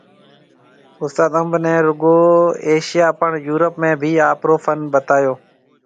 استاد انب ني رگو ايشياھ پڻ يورپ ۾ بِي آپرو فن بتايو